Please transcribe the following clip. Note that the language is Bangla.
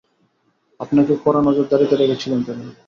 আপনাকে কড়া নজরদারীতে রেখেছিলেন তিনি।